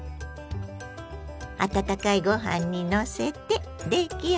温かいご飯にのせて出来上がり。